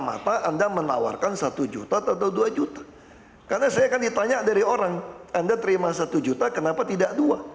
mata anda menawarkan satu juta atau dua juta karena saya kan ditanya dari orang anda terima satu juta kenapa tidak dua